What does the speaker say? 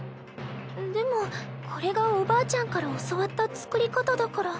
でもこれがおばあちゃんから教わった作り方だから。